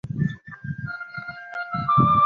跟随李文忠一道入福建。